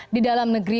di dalam negeri